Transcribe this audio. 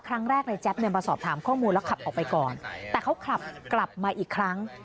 ครั้งแรกในแจ๊บเนี่ยมาสอบถามข้อมูลแล้วขับออกไปก่อนแต่เขาขับกลับมาอีกครั้ง